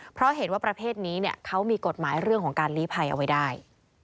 เพราะเห็นว่าประเภทนี้เขามีกฎหมายเรื่องของการลีภัยเอาไว้ได้